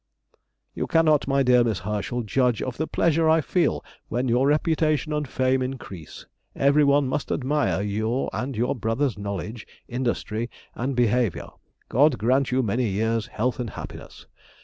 You cannot, my dear Miss Herschel, judge of the pleasure I feel when your reputation and fame increase; everyone must admire your and your brother's knowledge, industry, and behaviour. God grant you many years health and happiness.